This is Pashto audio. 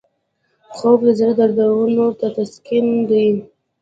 خوب د زړه دردونو ته تسکین دی